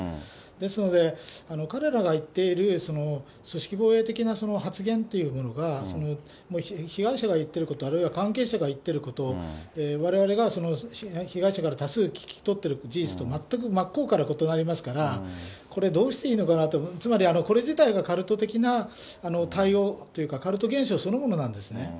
ですので、彼らが言っている組織防衛的な発言というものが、被害者が言ってること、あるいは関係者が言ってること、われわれが被害者から多数聞き取っている事実と全く真っ向から異なりますから、これ、どうしていいのかなと、つまりこれ自体がカルト的な対応というか、カルト現象そのものなんですね。